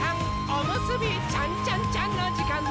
おむすびちゃんちゃんちゃんのじかんです！